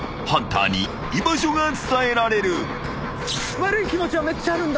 悪い気持ちはめっちゃあるんだ。